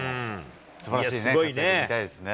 すばらしいですね。